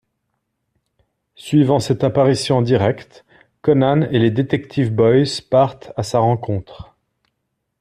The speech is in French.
Suivant cette apparition en direct, Conan et les détectives boys partent à sa rencontre.